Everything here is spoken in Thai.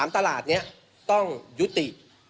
ตลาดนี้ต้องยุติ